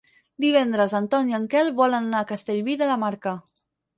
Divendres en Ton i en Quel volen anar a Castellví de la Marca.